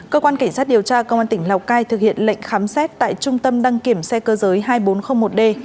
cơ quan cảnh sát điều tra công an tỉnh lào cai thực hiện lệnh khám xét tại trung tâm đăng kiểm xe cơ giới hai nghìn bốn trăm linh một d